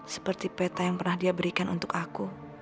seperti peta yang pernah dia berikan untuk aku